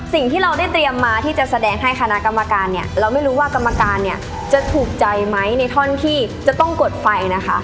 สิ่งที่เราได้เตรียมมาที่จะแสดงให้คณะกรรมการเนี่ยเราไม่รู้ว่ากรรมการเนี่ยจะถูกใจไหมในท่อนที่จะต้องกดไฟนะคะ